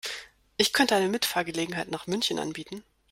Ich könnte eine Mitfahrgelegenheit nach München anbieten